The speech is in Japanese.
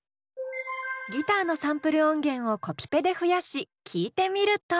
ギターのサンプル音源をコピペで増やし聴いてみると。